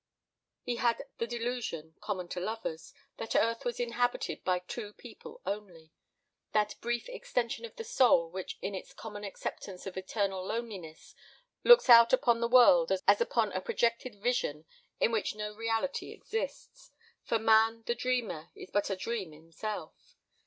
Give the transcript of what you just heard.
He had the delusion, common to lovers, that Earth was inhabited by two people only that brief extension of the soul which in its common acceptance of eternal loneliness looks out upon the world as upon a projected vision in which no reality exists, for man the dreamer is but a dream himself.